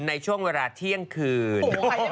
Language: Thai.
ในช่วงเวลาเที่ยงคืน